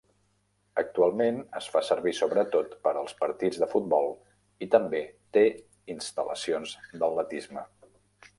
Actualment, es fa servir sobretot per als partits de futbol i també té instal·lacions d'atletisme.